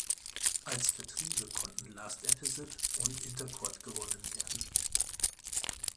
Als Vertriebe konnten Last Episode und Intercord gewonnen werden.